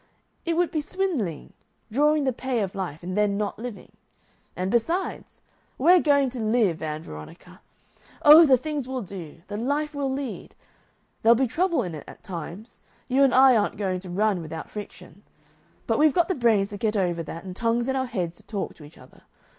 It would be swindling. Drawing the pay of life and then not living. And besides We're going to live, Ann Veronica! Oh, the things we'll do, the life we'll lead! There'll be trouble in it at times you and I aren't going to run without friction. But we've got the brains to get over that, and tongues in our heads to talk to each other.